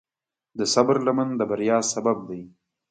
د صبر لمن د بریا سبب دی.